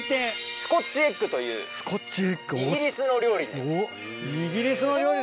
スコッチエッグというイギリスの料理に。